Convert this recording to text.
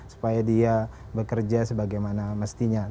supaya dia bekerja sebagaimana mestinya